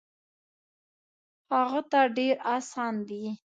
هغه ته ډېر اسان دی.